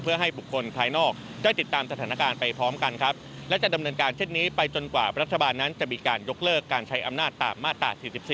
เพื่อให้บุคคลภายนอกได้ติดตามสถานการณ์ไปพร้อมกันครับและจะดำเนินการเช่นนี้ไปจนกว่ารัฐบาลนั้นจะมีการยกเลิกการใช้อำนาจตามมาตรา๔๔